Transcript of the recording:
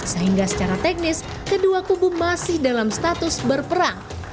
sehingga secara teknis kedua kubu masih dalam status berperang